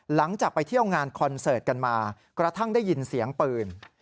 หลังจากไปเที่ยวงานคอนเสิร์ตกันมากระทั่งได้ยินเสียงปืน